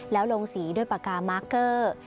แล้วลงสีด้วยปากกามาร์คเกอร์